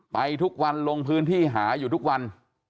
ไปทุกวันลงพื้นที่หาอยู่ทุกวัน